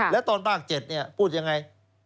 แล้วตอนภาค๗พูดยังไง